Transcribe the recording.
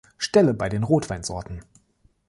Stelle bei den Rotweinsorten.